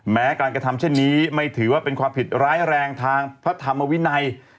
แม้การกระทำเช่นนี้ไม่ถือว่าเป็นความผิดร้ายแรงทางพระธรรมวินัย